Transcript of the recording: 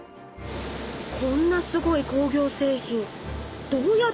こんなすごい工業製品どうやってつくっているの？